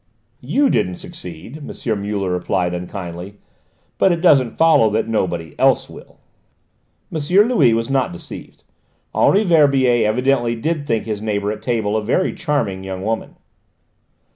"You didn't succeed," M. Muller replied unkindly, "but it doesn't follow that nobody else will!" M. Louis was not deceived: Henri Verbier evidently did think his neighbour at table a very charming young woman.